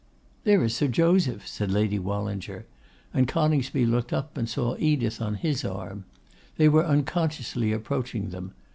'There is Sir Joseph,' said Lady Wallinger, and Coningsby looked up, and saw Edith on his arm. They were unconsciously approaching them.